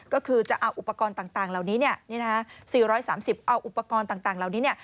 ก็คือจะเอาอุปกรณ์ต่างเหล่านี้๔๓๐เอาอุปกรณ์ต่างเหล่านี้เนี่ย